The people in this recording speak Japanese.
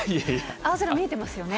青空見えてますよね。